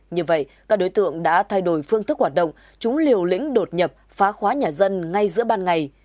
như vậy các đối tượng đã thay đổi phương thức hoạt động chúng liều lĩnh đột nhập phá khóa nhà dân ngay giữa ban ngày